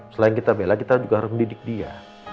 selain kita bela kita juga harus mendidik dia